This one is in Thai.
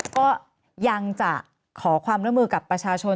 ก็ยังจะขอความร่วมมือกับประชาชน